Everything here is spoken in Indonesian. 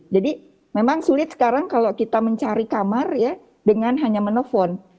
jadi memang sulit sekarang kalau kita mencari kamar ya dengan hanya menefon